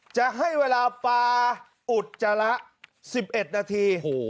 จะให้เวลาปลาอุดจาระ๑๑นาที